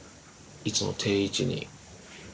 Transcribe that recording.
いつもの定位置に。